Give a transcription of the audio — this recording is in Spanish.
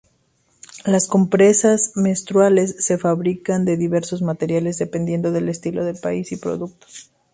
Las compresas menstruales se fabrican de diversos materiales, dependiendo del estilo, país y producto.